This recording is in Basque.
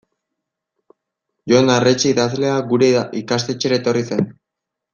Jon Arretxe idazlea gure ikastetxera etorri zen.